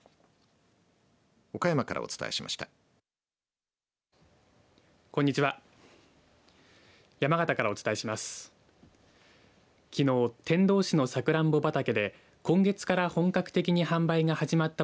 岡山からお伝えしました。